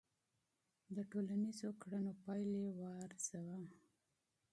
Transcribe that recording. د ټولنیزو کړنو پایلې وارزوه.